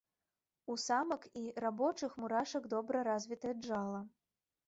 У самак і рабочых мурашак добра развітае джала.